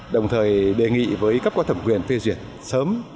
rồi đề nghị với các quả thẩm quyền phê duyệt sớm